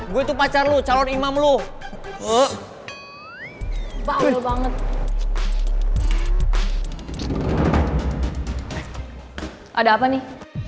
gue itu pacar lu calon imam lu banget ada apa nih